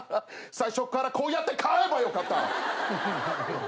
最初っからこうやって買えばよかった。